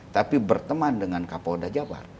tapi berteman dengan kapolda jabar